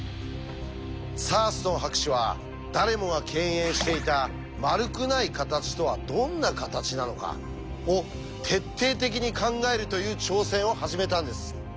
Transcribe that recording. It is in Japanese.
サーストン博士は誰もが敬遠していた「丸くない形とはどんな形なのか」を徹底的に考えるという挑戦を始めたんです。